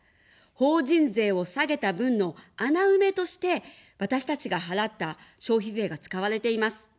法人税を下げた分の穴埋めとして、私たちが払った消費税が使われています。